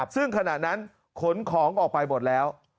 ซึ่งขณะนั้นขนของออกไปหมดแล้ว